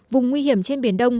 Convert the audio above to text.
vùng nguy hiểm trên biển đông